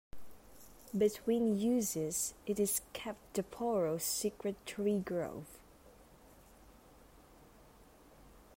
Between uses it is kept the Poro's secret tree grove.